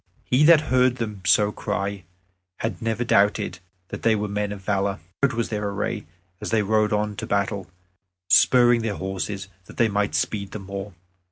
He that heard them so cry had never doubted that they were men of valor. Proud was their array as they rode on to battle, spurring their horses that they might speed the more.